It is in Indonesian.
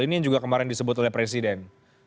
ini juga kemarin disebut oleh presiden